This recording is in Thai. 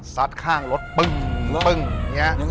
สัตว์ข้างรถปึ้งเนี่ย